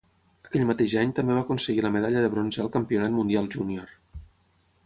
Aquell mateix any també va aconseguir la medalla de bronze al Campionat Mundial Junior.